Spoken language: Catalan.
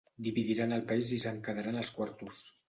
Dividiran el país i se'n quedaran els quartos.